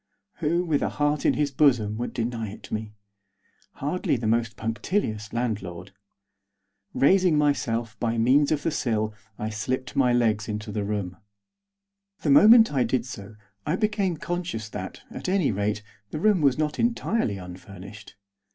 Who, with a heart in his bosom, would deny it me? Hardly the most punctilious landlord. Raising myself by means of the sill I slipped my legs into the room. The moment I did so I became conscious that, at any rate, the room was not entirely unfurnished.